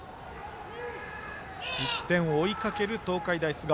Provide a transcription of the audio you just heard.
１点を追いかける東海大菅生。